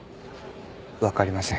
わかりません。